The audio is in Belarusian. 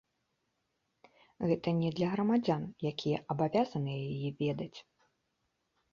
Гэта не для грамадзян, якія абавязаныя яе ведаць.